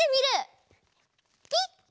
ピッ！